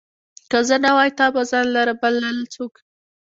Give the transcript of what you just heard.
که زه نه وای، تا به ځان لره بلل څوک